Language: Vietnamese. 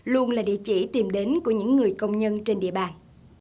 luôn là địa chỉ tìm đến của những người công nhân trên địa bàn